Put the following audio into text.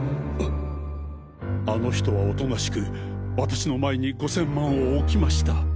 あの人はおとなしく私の前に５０００万を置きました。